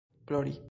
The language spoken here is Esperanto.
plori